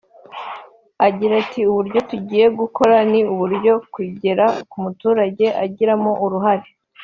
Agira ati “Uburyo tugiye gukora ni uburyo bugera k’umuturage akagiramo uruhare